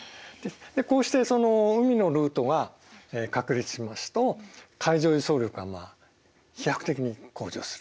でこうして海のルートが確立しますと海上輸送力がまあ飛躍的に向上する。